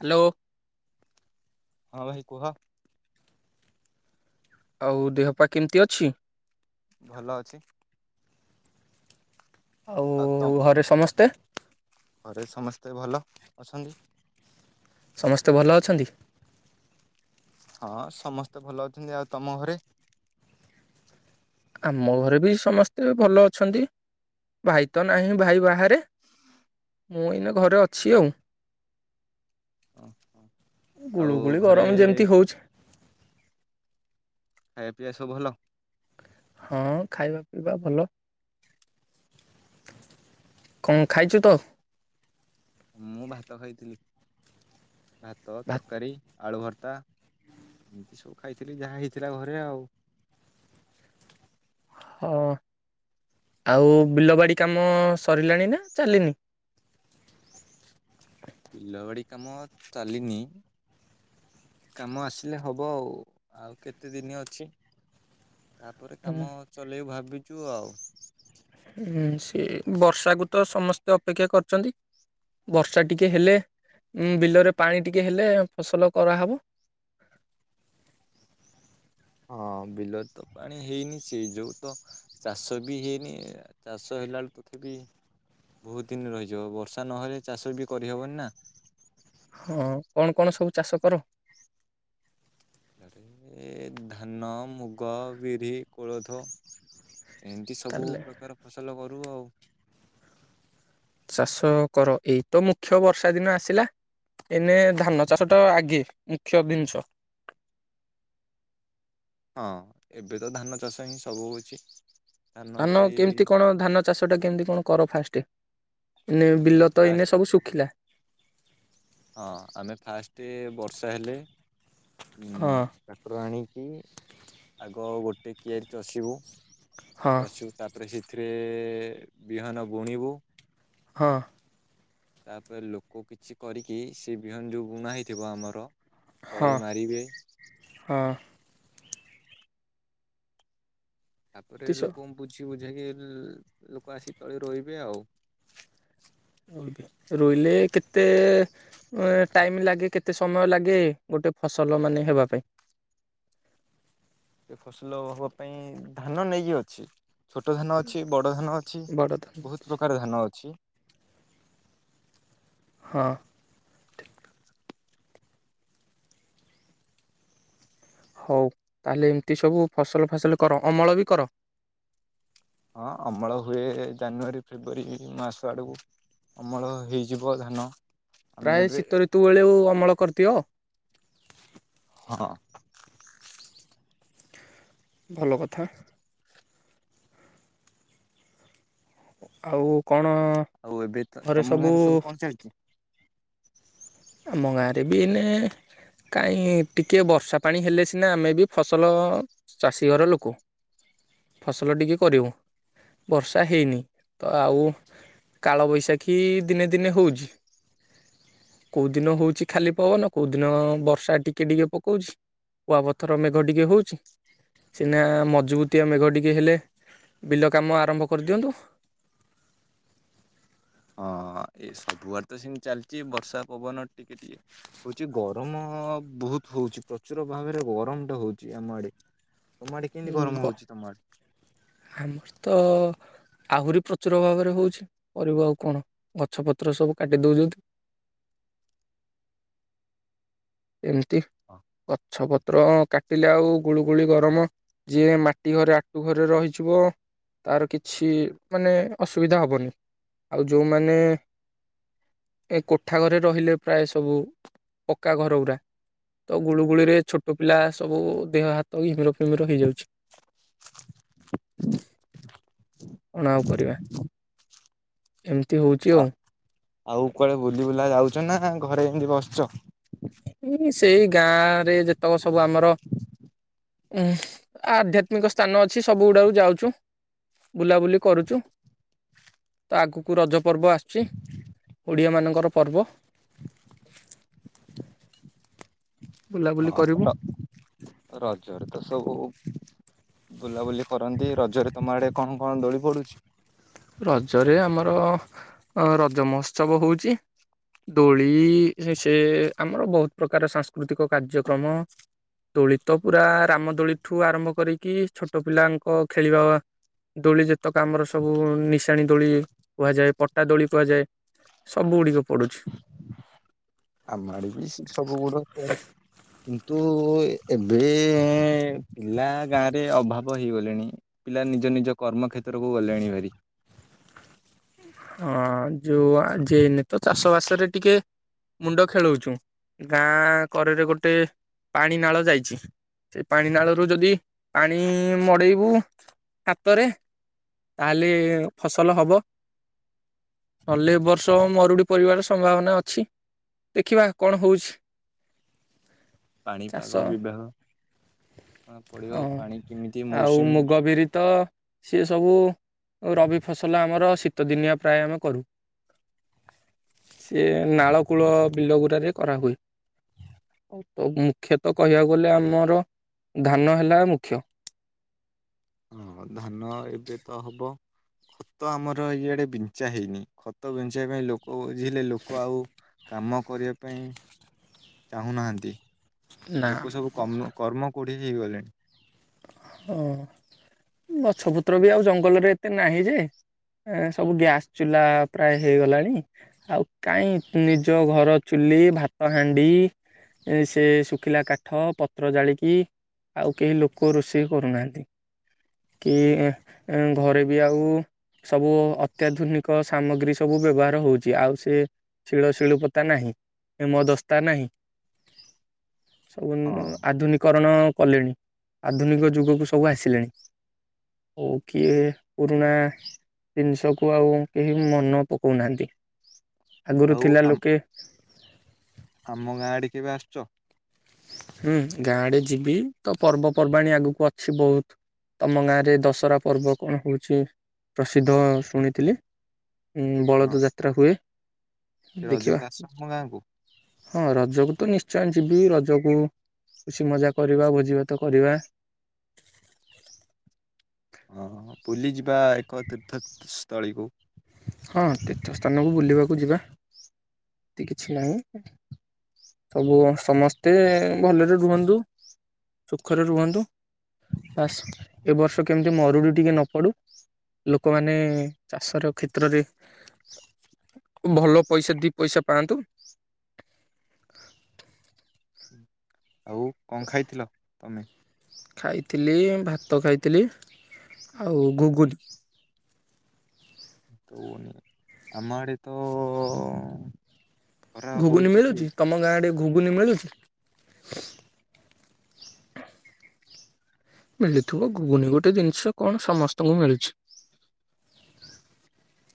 Hello. ହଁ ଭାଇ କୁହ। ଆଉ ଦେହପା କେମିତି ଅଛି? ଭଲ ଅଛି। ଆଉ ଘରେଏଏ ସମସ୍ତେ? ଘରେ ସମସ୍ତେ ଭଲ ଅଛନ୍ତି? ସମସ୍ତେ ଭଲ ଅଛନ୍ତି। ହଁ ସମସ୍ତେ ଭଲ ଅଛନ୍ତି। ଆଉ ତମ ଘରେ? ଆମ ଘରେ ବି ସମସ୍ତେ ଭଲ ଅଛନ୍ତି ଭାଇ ତ ନାହିଁ ଭାଇ ବାହାରେ ମୁଁ ଏଇନା ଘରେ ଅଛି ଆଉ। ଓହୋ। ଆଉ ଗୁଳୁଗୁଳି ଘରେ ଗରମ ଯେମିତି ହଉଛି। ଖ ପିଆ ସବୁ ଭଲ? ହଁ ଖାଇବା ପିଇବା ଭଲ। କଣ ଖାଇଛୁ ତ ମୁଁ ଭାତ ଖାଇଥିଲି। ଭାତ ତରକାରୀ ଆଳୁ ଭର ତା ଏମିତି ସବୁ ଖାଇଥିଲି ଯାହା ହେଇଥିଲା ଘରେ ଆଉ। ହଁ ଆଉ ବିଲ ବାଡି କାମ ସରିଲାଣି ନା ଚାଲିନି? ବିଲବାଡି କାମ ଚାଲିନି କାମ ଆସିଲେ ହବ ଆଉ ଆଉ କେତେ ଦିନ ଅଛି? ତାପରେ ଉଁ କାମ ଚଲେଇବ ଭାବି ଯୁଆଉ। ହୁଁ ସେ ବର୍ଷାକୁ ତ ସମସ୍ତେ ଅପେକ୍ଷା କରିଛନ୍ତି ବର୍ଷା ଟିକେ ହେଲେ ବିଲରେ ପାଣି ଟିକେ ହେଲେ ଫସଲ କରାହବ। ହଁ ବିଲରେ ତ ପାଣି ହେଇନି ସେଇ ଯୋଉ ତ ଚାଷ ବି ହେଇନି ଚାଷ ହେଲା ବେଳ ତଥାପି ବହୁତ ଦିନ ରହିଯିବ ବର୍ଷା ନହେଲେ ଚାଷ ବି କରିହବନି ନା। ହଁ କଣ କଣ ସବୁ ଚାଷ କର? ରେ ଧାନ ମୁଗ ବିରି କୋଳଥ ଏମିତି ସବୁ ତାହେଲେ ପ୍ରକାର ଫସଲ କରୁ ଆଉ। ଚାଷ କର ଏଇତ ମୁଖ୍ୟ ବର୍ଷା ଦିନ ଆସିଲା ଏଇନେ ଧାନ ଚାଷ ଟା ଆଗେ ମୁଖ୍ୟ ଜିନିଷ। ହଁ ଏବେ ତ ଧାନ ଚାଷ ହିଁ ସବୁ ଅଛି। ଧାନ କେମିତି କଣ ଧାନ ଚାଷ ଟା କେମିତି କଣ କର ଫାଷ୍ଟ? ନେ ଆମେ ବିଲ ତ ଫାଷ୍ଟ ଏଇନେ ସବୁ ଶୁଖିଲା। ହଁ ଆମେ ଫାଷ୍ଟ ବର୍ଷା ହେଲେ ହଁ ଠାକୁରାଣୀ କି ଆଗ ଗୋଟେ କିଆରିଚଷିବୁ। ହଁ ଚଷିବୁ ତା ପରେ ସେ ଏଥିରେ ବିହନ ବୁଣିବୁ। ହଁ। ତାପରେ ଲୋକ କିଛି କରିକି କି ସେ ବିହନ ଯେଉଁ ବୁଣା ହୋଇଇଥିବ ଆମର ହଁ ତଳି ମାରି ବେ ହଁ ତାପରେ ତିସ ଲୋକଙ୍କୁ ବୁଝିବୁ। କି ବୁଝେଇକି ଲୋକ ଆସିିକି ତଳି ମାରିବେ ଆଉ। ରୋଇଲେ କେତେ ଟାଇମ ଲାଗେ କେତେ ସମୟ ଲାଗେ ଗୋଟେ ଫସଲ ମାନେ ହେବା ପାଇଁ। ସେ ଫସଲ ହବା ପାଇଁ ଧାନ ନେଇକି ଅଛି। ଛୋଟ ଧାନ ଅଛି ବଡ଼ ଧାନ ଅଛି ବଡ଼ ଧାନ। ବହୁତ ପ୍ରକାର ଧାନ ଅଛି। ହଁ ଠିକ। ହଉ ତାହଲେ ଏମିତି ସବୁ ଫସଲ ଫାସଲ କର ଅମଳ ବି କର। ହଁ ଅମଳ ହୁଏ ଜାନୁଆରୀ ଫେବୃଆରୀ ମାସ ଆଡକୁ ଅମଳ ହେଇଯିବ ଧାନ। ଆମେ ପ୍ରାୟ ଏବେ ଶୀତ ଋତୁ ବେଳେ କୁ ଅମଳ କରିଦିଅ। ହଁ। ଭଲ କଥା। ଆଉ କଣ? ଆଉ ଏବେ ତ ତମ ଗାଁରେ ସବୁ କଣ ଚାଲିଛି। ଆମ ଗାଁରେ ବି ଏନେ କାହିଁ ଟିକେ ବର୍ଷା ପାଣି ହେଲେ ସିନା ଆମେ ବି ଫସଲ ଚାଷୀ ଘର ଲୋକ ଫସଲ ଟିକେ କରିବୁଁ ବର୍ଷା ହେଇନି ତ ଆଉ କାଳବୈଶାଖୀ ଦିନେ ଦିନେ ହଉଛି। କୋଉଦିନ ହଉଛି ଖାଲି ପବନ କୋଉଦିନ ବର୍ଷା ଟିକେ ଟିକେ ପକଉଛି କୁଆପଥର ମେଘ ଟିକେ ହଉଛି ସିନା ମଜବୁତିଆ ମେଘ ଟିକେ ହେଲେ ବିଲ କାମ ଆରମ୍ଭ କରିଦିଅନ୍ତୁ। ହଁ ଏ ସବୁଆଡେ ତ ସେମିତି ଚାଲିଛି ବର୍ଷା ପବନ ଟିକେ ଟିକେ ହଉଛି ଗରମ ବହୁତ ହଉଛି ପ୍ରଚୁର ଭାବରେ ଗରମ ଟା ହଉଛି ଆମ ଆଡେ। ତମ ଆଡେ କେମିତି ଗ ଗରମ ହଉଛି ତମ ଆଡେ। ଆମର ତ ଆହୁରି ପ୍ରଚୁର ଭାବରେ ହଉଛି କରିବୁ ଆଉ କଣ ଗଛ ପତ୍ର ସବୁ କାଟି ଦଉଛନ୍ତି। ଏମିତି ଗଛପତ ପତ୍ର କାଟିଲେ ଆଉ ଗୁଳୁ ଗୁଳି ଗରମ ଯିଏ ମାଟି ଘରେ ଆଠୁ ଘରେ ରହି ଥିବ ତାର କିଛି ମାନେ ଅସୁବିଧା ହବନି ଆଉ ଯୋଉମାନେ ଏ କୋଠା ଘରେ ରହିଲେ ପ୍ରାୟ ସବୁ ପକ୍କା ଘର ଗୁଡା ତ ଗୁଳୁଗୁଳିରେ ଛୋଟ ପିଲା ସବୁ ଦେହ ହାତ ଘିମିର ଫିମିର ହେଇଯାଉଛି। କଣ ଆଉ କରିବା ଏମିତି ହଉଛି ଆଉ ଆଉ କୁଆଡେ ବୁଲି ବୁଲା ଯାଉଛ ନା ଘରେ ଏମିତି ବସିଛ। ଏଁବି ସେଇ ଗାଁ ରେ ଯେତକ ସବୁ ସବୁ ଆମର। ଏଁ ଆଧ୍ୟାତ୍ମିକ ସ୍ଥାନ ଅଛି ସବୁ ଗୁଡାକୁ ଯାଉଛୁ ବୁଲାବୁଲି କରୁଛୁ ତ ଆଗକୁ ରଜ। ପର୍ବ ଆସୁଛି ଓଡିଆ ମାନଙ୍କ ଙ୍କର ପର୍ବ ବୁଲାବୁଲି ହଁ କରିବୁ ର ରଜରେ ତ ସବୁ ବୁଲାବୁଲି କରନ୍ତି ରଜରେ ତମ ଆଡେ କଣ କଣ ଦୋଳି ପଡୁଛି। ରଜରେ ଆମର ରଜ ମହୋତ୍ସବ ହେଉଛି ଦୋଳି ସେ ଆମର ବହୁତ ପ୍ରକାର ସାଂସ୍କୃତିକ କାର୍ଯ୍ୟକ୍ରମ ଦୋଳି ତ ପୁରା ରାମଦୋଳିଠୁ ଆରମ୍ଭ କରିକି ଛୋଟ ପିଲାଙ୍କ ଖେଳିବା ଦୋଳି ଯେତେକ ଆମର ସବୁ ନିଶାଣି ଦୋଳି କୁହାଯାଏ ପଟା ଦୋଳି କୁହାଯାଏ ସବୁ ଗୁଡିକ ପଡୁଛି। ଆମ ଆଡେ ବି ସେ ସବୁ ଗୁଡ ପଡି ତୁ ଏ ଏବେଁ ପିଲା ଗାଁ ରେ ଅଭାବ। ଶୁଭ ହେଇଗଲେଣି ପିଲା ନିଜ ନିଜ କର୍ମ ଖେତ୍ରକୁ ଗଲେଣି ଭାରି ହଁ ଯୋଉ ଆ ଯେ ଏନ ତ ଚାଷ ବାସରେ ଟିକେ ମୁଣ୍ଡ ଖେଳଉଛୁ ଗାଁ କରେରେ ଗୋଟେ ପାଣି ନାଳ ଯାଇଛି ସେ ପାଣି ନାଳରୁ ଯଦି ପାଣି ମଡେଇବୁ ହାତରେ ତାହେଲେ ଫସଲ ହବ। ନଲେ ଏବର୍ଷ ମରୁଡି ପରିବାର ସମ୍ଭାବନା ଅଛି ଦେଖିବା କଣ ହଉଛି? ଚାଷ ପାଣିପାଗ ବିଭାଗ କଣ ପଡିବ ହଁ ପାଣି କେମିତି ଆଉ ମୌସୁମୀ ମୁଗ ବିରି ତ ସିଏ ସବୁ ଓ ରବି ଫସଲ ଆମର ଶୀତ ସୀତ ଦିନିଆ ପ୍ରାୟ ଆମେ କରୁ ସିଏ ନାଳ କୂଳ ବିଲ ଗୁଡାାରେ କରାହୁୁଏ ତ ମୁଖ୍ୟତଃ କହିବାକୁ ଗଲେ ଆମର ଧାନ ହେଲା ମୁଖ୍ୟ। ହଁ ଧାନ ଏବେ ତ ହବ ଖତ ଆମର ଇଆଡେ ବିଞ୍ଚା ହେଇନି ଖତ ବିଞ୍ଚିବା ପାଇଁ ଲୋକ ବୁଝୀଲେ ଲୋକ ଆଉ କାମ କରିବା ପାଇଁ ଚାହୁଁ ନାହାନ୍ତି। ନା ଲୋକ ସବୁ କମ୍ କର୍ମ କୋଢ ହେଇ ଗଲେଣି। ହଁ ଗଛ ପତ୍ର ବି ଆଉ ଜଙ୍ଗ [inaudible] ଏତେ ନାହିଁ ଯେ ଏଁ ସବୁ ଗ୍ୟାସ୍ ଚୁଲା ପ୍ରାୟ ହେଇଗଲାଣି ଆଉ କାହିଁ ଏତେ ନିଜ ଘର ଚୁଲି ଭାତ ହାଣ୍ଡି ସେ ସୁଖିଲା କାଠ ପତ୍ର ଜାଳିକି ଆଉ କେହି ଲୋକ କୋଊ ରୋଷେଇ କରୁନାହାନ୍ତି କି ଅଁ ଘରେ ବି ଆଉ ସବୁ ଅତ୍ୟାଧୁନିକ ସାମଗ୍ରୀ ସବୁ ବ୍ୟବହାର ହଉଛି ଆଉ ସେ ଶିଳ ଶିଳୁପତା ନାହିଁ ହେମଦସ୍ତା ନାହିଁ। ସବୁ ହଁ ଆଧୁନିକରଣ। କଲେଣି ଆଧୁନିକ ଯୁଗକୁ ସବୁ ଆସିଲେଣି ଓ କିଏ ପୁରୁଣା ଜିନିଷକୁ ଆଉ କେହି ମନ ପକାଉନାହାନ୍ତି। ଆଗରୁ ଆଉ ଥିଲା ଆମ ଲୋକେ ଆମ ଗାଁ ଆଡ କେବେ ଆସୁଛ? ହୁଁ ଗାଁଡେ ଯିବି ତ ପର୍ବପର୍ବାଣିୀ ଆଗକୁ ଅଛି ବହୁତ ତମ ଗାଁରେ ଦଶହରା ପର୍ବ କଣ ହଉଛି ପ୍ରସିଦ୍ଧ ଶୁଣିଥିଲି। ଉ ବଳଦ ଯାତ୍ରା ହୁଏ। ସେ ଦେଖିବା ରଜୁକୁ ଆଶ୍ରମ ଗାଁକୁ ହଁ ରଜକୁ ତ ନିଶ୍ଚୟ ଯିବି ରଜ ୁ କିଛି ମଜା କରିବା ଭୋଜିଭାତ କରିବା। ହଁ ପୁଲି ଯିବା ଏକ ତୀର୍ଥସ୍ଥଳୀକୁ ହଁ ତୀର୍ଥସ୍ଥାନକୁ ବୁଲିବାକୁ ଯିବା। ଏ କିଛି ନାହିଁ ସବୁ ସମସ୍ତେ ଭଲରେ ରୁହନ୍ତୁ ସୁଖରେ ରୁହନ୍ତୁ ଏ ବର୍ଷ କେମିତି ମରୁଡ଼ି ଟିକେ ନ ପଡୁ ଲୋକମାନେ ଚାଷର କ୍ଷେତ୍ରରେ ଭଲ ପଇସା। ପଇସା ପାଆନ୍ତୁ। ଆଉ କଣ ଖାଇଥିଲ ତମେ? ଖାଇଥିଲି ଭାତ ଖାଇଥିଲି ଆଉ ଘୁଗୁନି ତ ନାଇ ଆମର ତ ଖରା ଘୁଗୁନି ହଉଛି ଯେ ମିଳୁଛି ତମ ଗାଁ ରେ ଘୁଗୁନି ମିଳୁଛି। [inaudible] ମିଳୁିବ ଗୁନି ଗୋଟେ ଜିନିଷ କଣ ସମସ୍ତଙ୍କୁ ମିଳୁଛି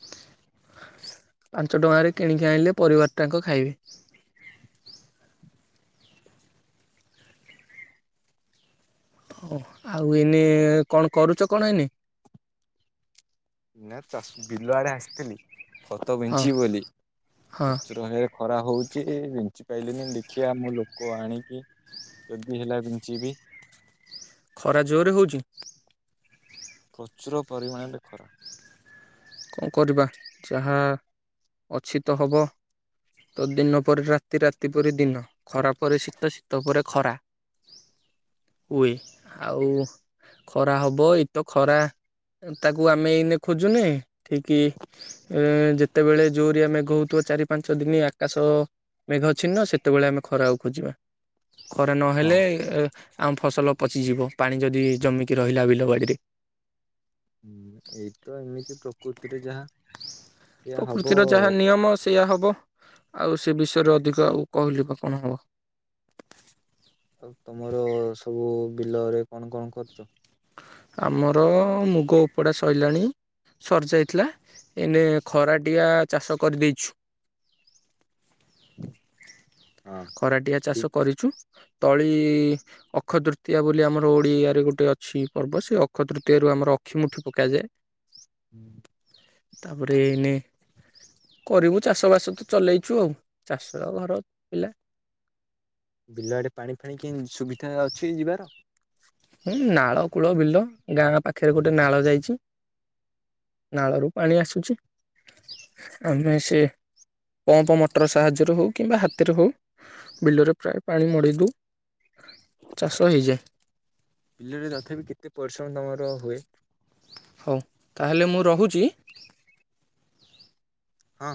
ପାଞ୍ଚ ଟଙ୍କାରେ କିଣିକି ଆଣିଲେ ପରିବାର ଟାଙ୍କ ଖାଇବେ ହ ଆଉ ଏନି କଣ କରୁଛ କଣ ଏନି ନା ତ ବିଲୁଆଡେ ଆସିଥିଲି। ଖତ ହଁ ବିନ୍ଛିି ବୋଲି ହଁ ପ୍ରଚୁର ଭାବରେ ଖରା ହଉଛି। କି ବିଞ୍ଚି ପାଇଲିନି ଦେଖିବା ମୁଁ ଲୋକ ଆଣିକି ଯଦି ହେଲା ବିଞ୍ଚିବି। ଖରା ଜୋରରେ ହଉଛି। ପ୍ରଚୁର ପରିମାଣରେ ଖରା କଣ କରିବା ଯାହା ଅଛି ତ ହବ ତ ଦିନ ପରେ ରାତି ରାତି ପ ଦିନ ଖରା ପରେ ଶୀତ ଶୀତ ପରେ ଖରା ହୁଏ ଆଉ ଖରା ହବ ଏଇତ ଖରା ତାକୁ ଆମେ ଏଇନେ ଖୋଜୁନେ ଠିକ କି ଯେତେବେଳେ ଜୋରିଆ ମେଘ ହଉଥିବ ଚାରି ପାଞ୍ଚ ଦିନି ଆକାଶ ମେଘ ଛିନ୍ନ ସେତେବେଳେ ଆମେ ଖରା ଖୋଜିବା। ଖରା ହଁ ନହେଲେ ଆମ ଫସଲ ପ ଯିବ ପାଣି ଯଦି ଜମିକି ରହିଲା ବିଲ ବାଡିରେ ହୁଁ ଏଇ ତ ଏମିତି ପ୍ରକୃତିରେ ଯାହା ଏଇଆ ହବ ପ୍ରକୃତିର ଯାହା ନିୟମ ସେୟା ହବ ଆଉ ସେ ବିଷୟରେ ଅଧିକ ଆଉ କହିଲିବା କଣ ହବ? ଆଉ ତମର ସବୁ ବିଲ ରେ କଣ କଣ ଖର୍ଚ? ଆମର ମୁଗ ଉପଡ଼ା ସରିଲାଣି ସରିଯାଇଥିଲା। ଏନେ ଖରାଟିଆ। ଚାଷ କରିଦେଇଛୁ। ହଁ ଖରାଟିଆ ଚାଷ ଠିକ୍ କରିଛୁ। ତଳି ଅକ୍ଷତୃତୀୟା ବୋଲି ଆମର ଓଡିଆରେ ଗୋଟେ ଅ ଛି ପର୍ବ ସେ ଅକ୍ଷତୃତୀୟ ରୁ ଆମର ଅକ୍ଷି ମୁଠି ପକାଯାଏ। ହୁଁ, ତାପରେ ଏଇନେ କରିବୁ ଚାଷ ବାସ ତ ଚଲେଇଛୁ ଆଉ। ଚାଷ ଘର ପିଲା। ବିଲ ଆଡେ ପାଣି ଫାଣି କେମ୍ ସୁବିଧା ଅଛି ଯିବାର? ହୁଁ ନାଳ କୂଳ ବିଲ, ଗାଁ ପାଖରେ ଗୋଟେ ନାଳ ଯାଇଛି ନାଳରୁ ପାଣି ଆସୁଛି, ଆଉ ନାଇଁ ସେ ଆମେ ସେ ପମ୍ପ ମଟର ସାହାଯ୍ୟରେ ହଉ କିମ୍ବା ହାତରେ ହଉ ବିଲରେ ପ୍ରାୟ ପାଣି ମଡେଇ ଦଉ। ଚାଷ ହେଇଯାଏ। ବିଲରେ ତଥାପି କେତେ ପରିଶ୍ରମ ତୋମର ହୁଏ? ହଉ ତାହେଲେ ମୁଁ ରହୁଚି। ହଁ।